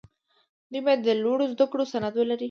دوی باید د لوړو زدکړو سند ولري.